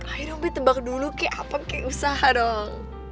ayah dong tebak dulu kaya apa kaya usaha dong